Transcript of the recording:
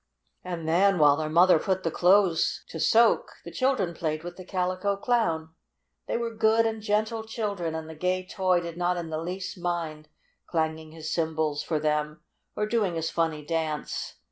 And then, while their mother put the clothes to soak, the children played with the Calico Clown. They were good and gentle children, and the gay toy did not in the least mind clanging his cymbals for them or doing his funny dance.